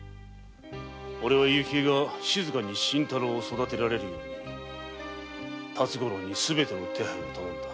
おれは雪江が静かに新太郎を育てられるように辰五郎にすべての手配を頼んだ。